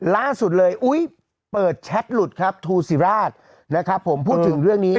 ล่าสุดเลยอุ๊ยเปิดแชทหลุดครับทูศิราชนะครับผมพูดถึงเรื่องนี้